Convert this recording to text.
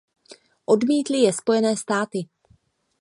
Odmítly je Spojené státy.